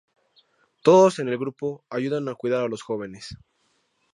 Todos en el grupo ayudan a cuidar a los jóvenes.